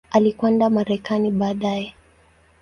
Alikwenda Marekani baadaye.